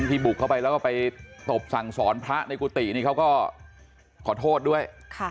ที่บุกเข้าไปแล้วก็ไปตบสั่งสอนพระในกุฏินี่เขาก็ขอโทษด้วย